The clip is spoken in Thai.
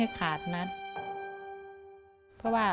พ่อลูกรู้สึกปวดหัวมาก